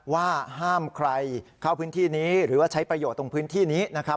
ว่าห้ามใครเข้าพื้นที่นี้หรือว่าใช้ประโยชน์ตรงพื้นที่นี้นะครับ